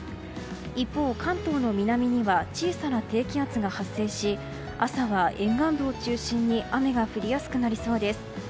一方、関東の南には小さな低気圧が発生し朝は沿岸部を中心に雨が降りやすくなりそうです。